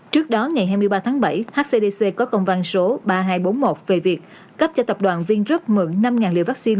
trước đó ngày hai mươi ba tháng bảy hcdc có công văn số ba nghìn hai trăm bốn mươi một về việc cấp cho tập đoàn vingroup mượn năm liều vaccine